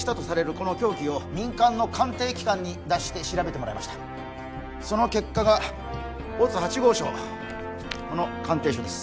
この凶器を民間の鑑定機関に出して調べてもらいましたその結果が乙８号証この鑑定書です